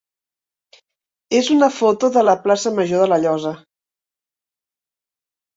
és una foto de la plaça major de La Llosa.